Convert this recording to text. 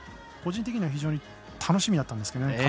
個人的には非常に楽しみだったんですけどね。